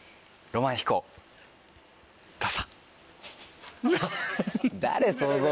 どうぞ！